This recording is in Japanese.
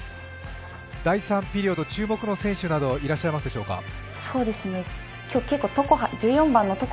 第３ピリオド注目の選手などいらっしゃいますでしょうか？